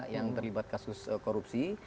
yang terlibat kasus korupsi